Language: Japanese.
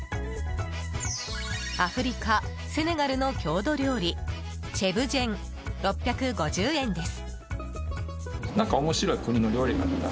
アフリカ・セネガルの郷土料理チェブジェン、６５０円です。